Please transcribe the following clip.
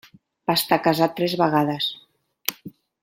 Va estar casat tres vegades.